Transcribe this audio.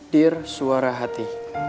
dear suara hati